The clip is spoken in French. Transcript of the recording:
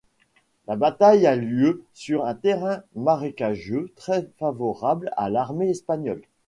La bataille a lieu sur un terrain marécageux très favorable à l'armée espagnole.